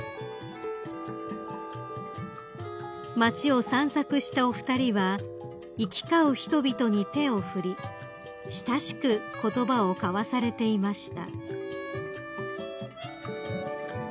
［町を散策したお二人は行き交う人々に手を振り親しく言葉を交わされていました］